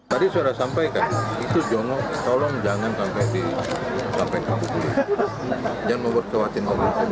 tadi sudah saya sampaikan itu jomong tolong jangan sampai di sampai di jangan membuat kewatin